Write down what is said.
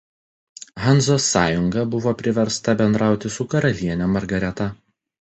Hanzos sąjunga buvo priversta bendrauti su karaliene Margareta.